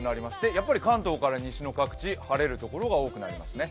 やっぱり関東から西の各地晴れる所が多くなりますね。